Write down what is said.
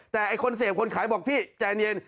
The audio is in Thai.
แต่ไอ้คนเสพคนขายบอกพี่ใจเย็น